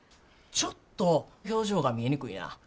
ちょっと表情が見えにくいな。